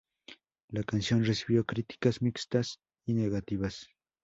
La canción recibió críticas mixtas a negativas.